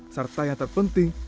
serta yang terpenting